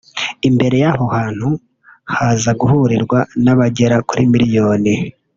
imbere y’aho hantu haza guhurirwa n’abagera kuri miliyoni